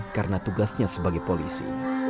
karena tugasnya sebagai polisi